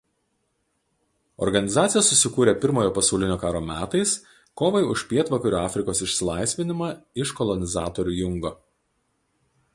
Organizacija susikūrė Pirmojo pasaulinio karo metais kovai už Pietvakarių Afrikos išsilaisvinimą iš kolonizatorių jungo.